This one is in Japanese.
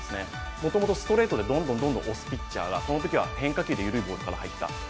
もともとストレートでどんどん押すピッチャーがこのときは緩い変化球で入った。